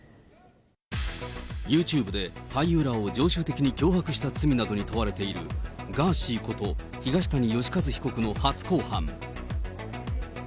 ユーチューブで、俳優らを常習的に脅迫した罪などに問われている、ガーシーこと東谷義和被告の初公判。